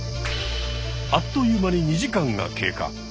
あっという間に２時間が経過。